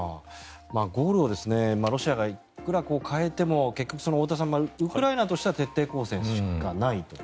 ゴールをロシアがいくら変えても結局、ウクライナとしては徹底抗戦しかないと。